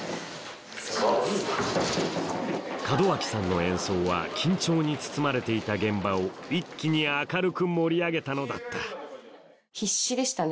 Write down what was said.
門脇さんの演奏は緊張に包まれていた現場を一気に明るく盛り上げたのだった必死でしたね